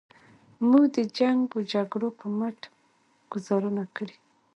موږ د جنګ و جګړو په مټ ګوزارونه کړي.